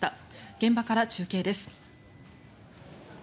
現場から中継です。